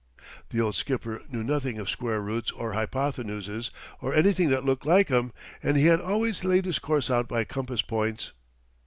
The old skipper knew nothing of square roots or hypothenuses or anything that looked like 'em, and he had always laid his course out by compass points.